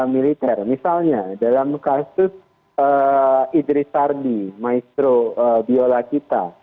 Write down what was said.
militer misalnya dalam kasus idris sardi maestro biologita